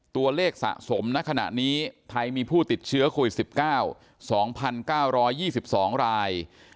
ตัวเลขสะสมณขณะนี้ไทยมีผู้ติดเชื้อโควิด๑๙๒๙๒๒ราย